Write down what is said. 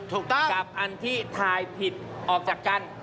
ถูกต้องกับอันที่ถ่ายผิดออกจากกัน